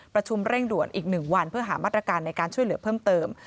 ประชุมเร่งด่วนอีก๑วันเพื่อหามาตรการในการช่วยเหลือเพิ่มเติม